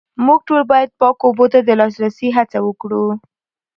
موږ ټول باید پاکو اوبو ته د لاسرسي هڅه وکړو